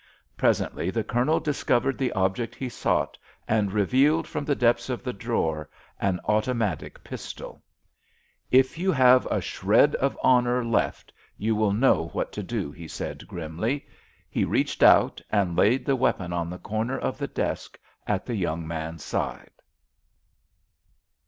Presently the Colonel discovered the object he sought, and revealed from the depths of the drawer an automatic pistol. "If you have a shred of honour left you will know what to do," he said grimly. He reached out, and laid the weapon on the corner of the desk at the young man's side.